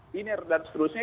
diner dan seterusnya